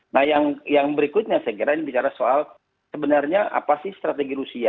nah yang berikutnya saya kira ini bicara soal sebenarnya apa sih strategi rusia